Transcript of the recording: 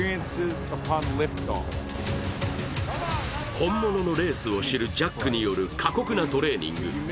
本物のレースを知るジャックによる過酷なトレーニング。